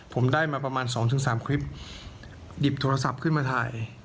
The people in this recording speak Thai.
ผมได้มาประมาณ๒๓คลิปหยิบโทรศัพท์ขึ้นมาถ่าย